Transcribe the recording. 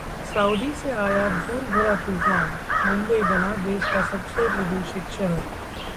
Saudi से आया धूल भरा तूफान, मुंबई बना देश का सबसे प्रदूषित शहर